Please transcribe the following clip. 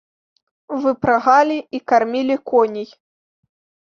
Выпрагалі і кармілі коней.